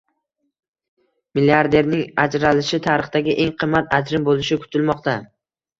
Milliarderning ajralishi tarixdagi eng qimmat ajrim bo‘lishi kutilmoqda